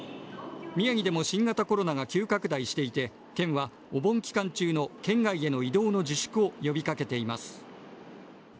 宮城でも新型コロナが急拡大していて県はお盆期間中の県外への移動の自粛を呼びかけています。